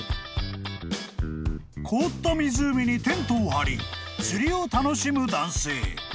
［凍った湖にテントを張り釣りを楽しむ男性］